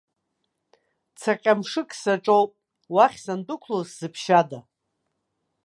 Цаҟьа мшык саҿоуп, уахь сандәықәлоз сзыԥшьада?